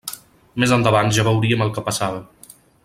Més endavant ja veuríem el que passava.